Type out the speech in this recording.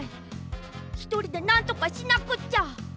ひとりでなんとかしなくっちゃ！